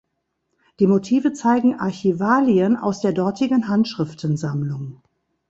Die Motive zeigen Archivalien aus der dortigen Handschriftensammlung.